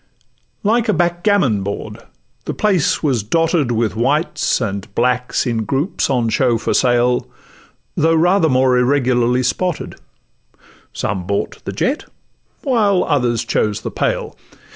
Like a backgammon board the place was dotted With whites and blacks, in groups on show for sale, Though rather more irregularly spotted: Some bought the jet, while others chose the pale.